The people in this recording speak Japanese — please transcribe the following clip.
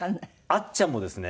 あっちゃんもですね